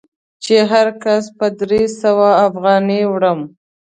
چې هر کس په درې سوه افغانۍ وړم.